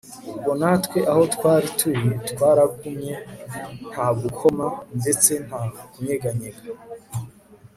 ubwo natwe aho twari turi twaragumye ntagukoma ndetse nta kunyeganyega